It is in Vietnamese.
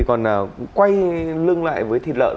còn quay lưng lại với thịt lợn